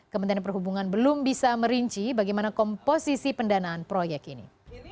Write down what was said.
kementerian perhubungan belum bisa merinci bagaimana komposisi pendanaan proyek ini